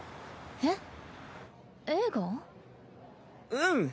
うん。